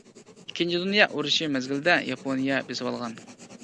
ئىككىنچى دۇنيا ئۇرۇشى مەزگىلىدە ياپونىيە بېسىۋالغان.